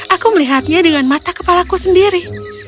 aku melihatnya dengan mata kepalaku sendiri